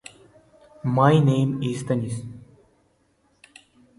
Melton is located on flat, largely featureless, former volcanic plains.